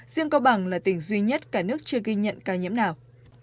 riêng cao bằng là tỉnh duy nhất cả nước chưa ghi nhận ca nhiễm nào